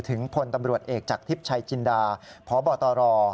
พลตำรวจเอกจากทิพย์ชัยจินดาพบตร